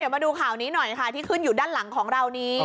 มาดูข่าวนี้หน่อยค่ะที่ขึ้นอยู่ด้านหลังของเรานี้